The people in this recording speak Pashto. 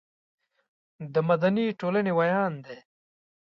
د مدني ټولنې ویاند دی.